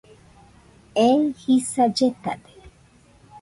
Ei jisa lletade.